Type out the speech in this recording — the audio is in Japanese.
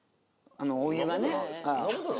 お湯がね。